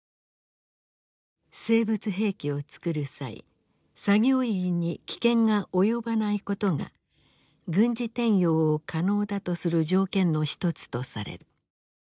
生物兵器を作る際作業員に危険が及ばないことが軍事転用を可能だとする条件の一つとされる。